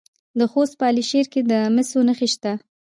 د خوست په علي شیر کې د مسو نښې شته.